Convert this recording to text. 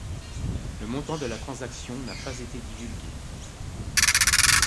Le montant de la transaction n’a pas été divulgué.